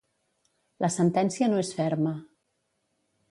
La sentència no és ferma.